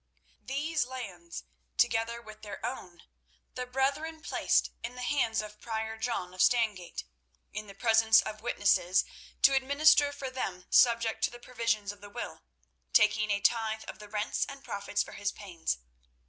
These lands, together with their own, the brethren placed in the hands of Prior John of Stangate, in the presence of witnesses, to administer for them subject to the provisions of the will, taking a tithe of the rents and profits for his pains.